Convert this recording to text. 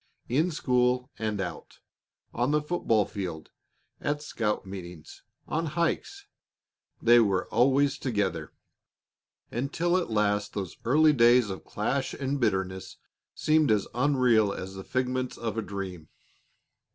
In school and out, on the football field, at scout meetings, on hikes, they were always together, until at last those early days of clash and bitterness seemed as unreal as the figments of a dream.